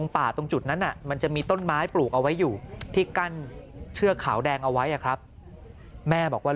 ปลูกเอาไว้อยู่ที่กั้นเชื่อขาวแดงเอาไว้ครับแม่บอกว่า